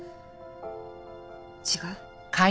違う？